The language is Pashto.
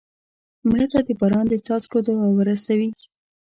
مړه ته د باران د څاڅکو دعا ورسوې